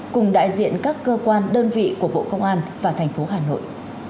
cùng đại diện các cơ quan đơn vị của bộ công an và thành phố hà nội